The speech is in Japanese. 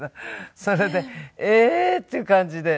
それで「ええー！」っていう感じで。